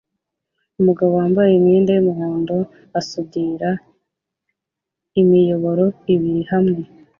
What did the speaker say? Umugabo wambaye imyenda yumuhondo asudira imiyoboro ibiri hamwe